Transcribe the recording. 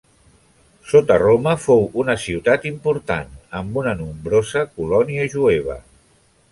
Sota Roma, fou una ciutat important, amb una nombrosa colònia jueva.